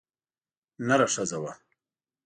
نره ښځه وه.